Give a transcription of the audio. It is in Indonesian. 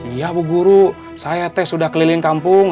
iya bu guru saya teh sudah keliling kampung